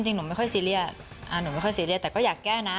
จริงหนูไม่ค่อยซีเรียสแต่ก็อยากแก้นะ